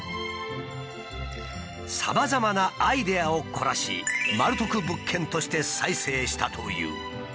さまざまなアイデアを凝らしマル得物件として再生したという。